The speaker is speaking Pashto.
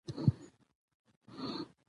ډېر کله د دو ډلو انسانانو سره مخامخ کيږو